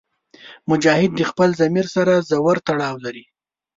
مجاهد د خپل ضمیر سره ژور تړاو لري.